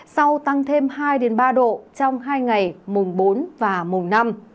sau tăng thêm hai ba độ trong hai ngày mùng bốn và mùng năm